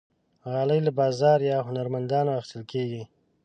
غالۍ له بازار یا هنرمندانو اخیستل کېږي.